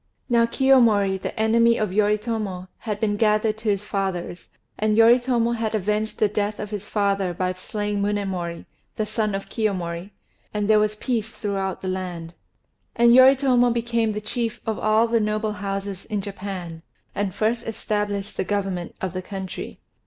Now Kiyomori, the enemy of Yoritomo, had been gathered to his fathers; and Yoritomo had avenged the death of his father by slaying Munémori, the son of Kiyomori; and there was peace throughout the land. And Yoritomo became the chief of all the noble houses in Japan, and first established the government of the country.